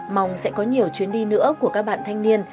mong sẽ có nhiều chuyến đi nữa của các bạn thanh niên